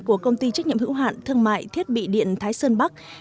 của công ty trách nhiệm hữu hạn thương mại thiết bị điện thái sơn bắc